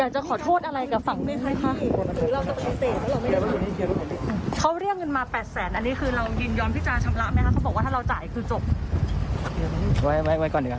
ชิคแจนนิดนึงค่ะ